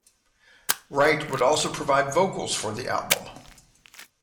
Wright would also provide vocals for the album.